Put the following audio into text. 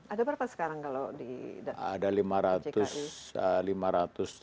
ada berapa sekarang kalau